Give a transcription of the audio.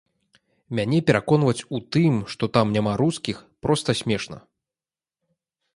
Мяне пераконваць у тым, што там няма рускіх, проста смешна.